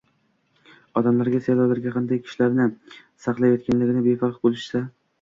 Odamlar saylovlarga, qanday kishilarni saylayotganliklariga befarq bo‘lishsa